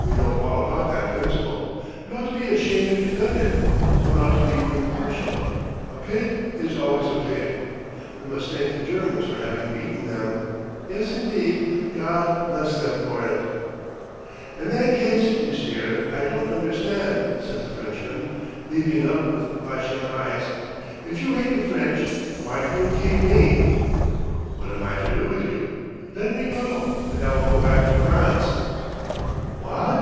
"We know all about that principle! You ought to be ashamed to defend it: one ought to be impartial: a pig is always a pig. ... We must thank the Germans for having beaten them. ... Yes indeed, God bless them for it." "In that case, monsieur, I don't understand. .." says the Frenchman leaping up with flashing eyes, "if you hate the French why do you keep me?" "What am I to do with you?" "Let me go, and I will go back to France." "Wha at?